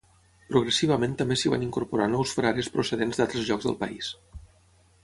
Progressivament també s'hi van incorporar nous frares procedents d'altres llocs del país.